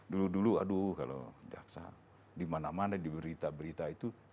dulu dulu aduh kalau jaksa di mana mana diberita berita itu